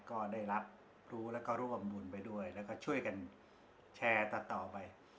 ก็ได้รับรู้แล้วก็ร่วมบุญไปด้วยแล้วก็ช่วยกันแชร์ต่อไป